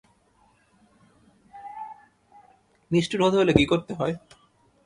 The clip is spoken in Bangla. নিষ্ঠুর হতে হলে কী করতে হয়?